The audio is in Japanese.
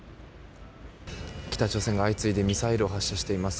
北朝鮮が相次いでミサイルを発射しています。